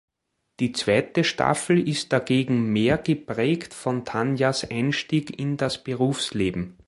Die zweite Staffel ist dagegen mehr geprägt von Tanjas Einstieg in das Berufsleben.